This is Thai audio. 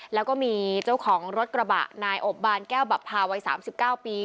แล้วก็มีเจ้าของรถกระบะนายอบบานแก้วบับพาวัย๓๙ปี